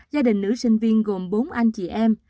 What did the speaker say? gia đình nữ sinh viên gồm bốn anh chị em